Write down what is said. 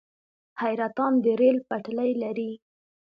حیرتان د ریل پټلۍ لري